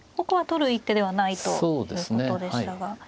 ここは取る一手ではないということでしたが。